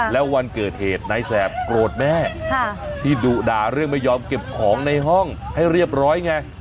แล้ววันเกิดเหตุนายแสบโกรธแม่ที่ดุด่าเรื่องไม่ยอมเก็บของในห้องให้เรียบร้อยไง